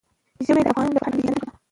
ژمی د افغانانو د فرهنګي پیژندنې برخه ده.